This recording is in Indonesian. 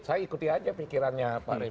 saya ikuti aja pikirannya pak arief